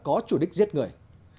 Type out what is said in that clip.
nó có chủ đích giết người